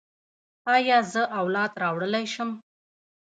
ایا زه اولاد راوړلی شم؟